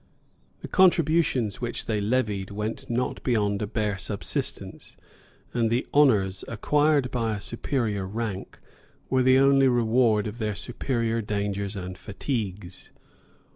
The contributions which they levied went not beyond a bare subsistence; and the honors, acquired by a superior rank, were the only reward of their superior dangers and fatigues.